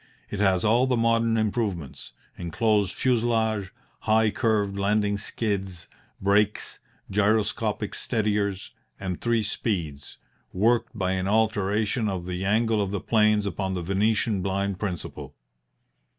It has all the modern improvements enclosed fuselage, high curved landing skids, brakes, gyroscopic steadiers, and three speeds, worked by an alteration of the angle of the planes upon the Venetian blind principle.